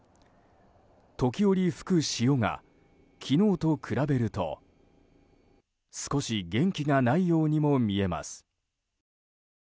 時折吹く潮が昨日と比べると少し元気がないようにも見えます。